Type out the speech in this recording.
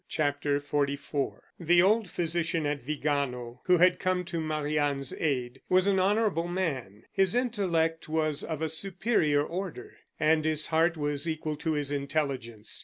CHAPTER XLIV The old physician at Vigano, who had come to Marie Anne's aid, was an honorable man. His intellect was of a superior order, and his heart was equal to his intelligence.